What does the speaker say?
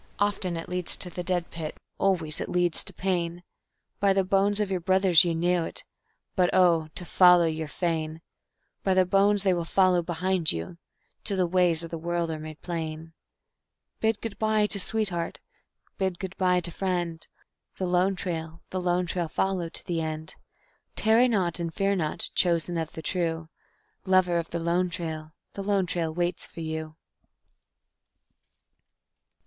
Often it leads to the dead pit; always it leads to pain; By the bones of your brothers ye know it, but oh, to follow you're fain. By your bones they will follow behind you, till the ways of the world are made plain. _Bid good by to sweetheart, bid good by to friend; The Lone Trail, the Lone Trail follow to the end. Tarry not, and fear not, chosen of the true; Lover of the Lone Trail, the Lone Trail waits for you.